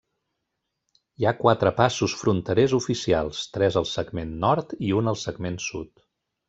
Hi ha quatre passos fronterers oficials, tres al segment nord i un al segment sud.